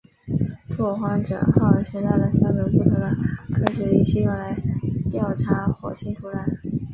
拓荒者号携带了三种不同的科学仪器用来调查火星土壤。